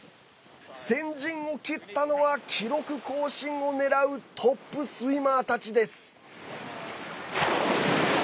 先陣を切ったのは記録更新を狙うトップスイマーたちです。